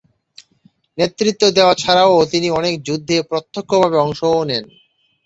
নেতৃত্ব দেওয়া ছাড়াও তিনি অনেক যুদ্ধে প্রত্যক্ষভাবে অংশও নেন।